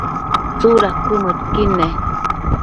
¿tsudad cuëdmëdquid ne?